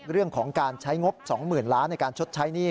เรื่องของการใช้งบ๒๐๐๐ล้านในการชดใช้หนี้